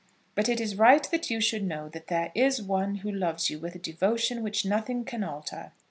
But it is right that you should know that there is one who loves you with a devotion which nothing can alter.